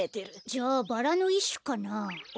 じゃバラのいっしゅかな。